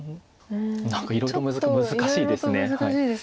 何かいろいろ難しいです。